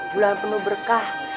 bulan penuh berkah